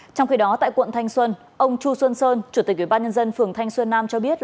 trong khi đó tại quận thanh xuân ông chu xuân sơn chủ tịch ubnd phường thanh xuân nam cho biết